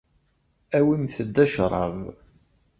Awimt-d acṛab.